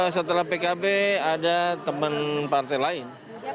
setelah pkb ada teman partai lain